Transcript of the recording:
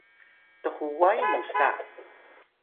thuway musa